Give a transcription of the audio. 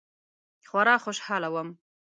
خورا خوشحاله وم.